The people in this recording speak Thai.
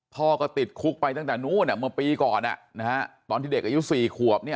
พ่อก็ติดคุกไปตั้งแต่นู้นเมื่อปีก่อนตอนที่เด็กอายุ๔ขวบเนี่ย